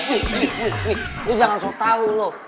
wih wih wih lo jangan sotau lo